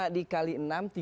lima dikali enam tiga puluh